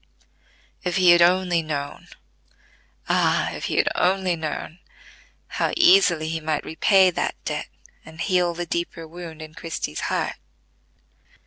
If he had only known—ah, if he had only known!—how easily he might repay that debt, and heal the deeper wound in Christie's heart.